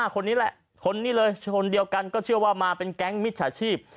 คนนี้แหละคนเดียวกันก็เชื่อว่ามาเป็นแก๊งมิดสถาชีพ